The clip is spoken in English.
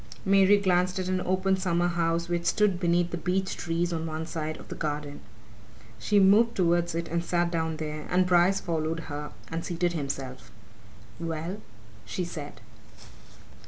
Mary glanced at an open summer house which stood beneath the beech trees on one side of the garden. She moved towards it and sat down there, and Bryce followed her and seated himself. "Well " she said.